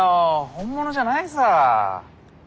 本物じゃないさ。